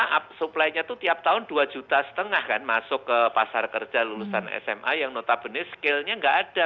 iya karena supply nya itu tiap tahun dua juta setengah kan masuk ke pasar kerja lulusan sma yang notabene skill nya gak ada